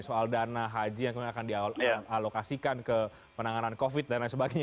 soal dana haji yang kemudian akan dialokasikan ke penanganan covid dan lain sebagainya